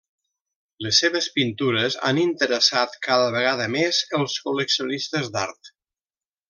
Les seves pintures han interessat, cada vegada més, els col·leccionistes d'art.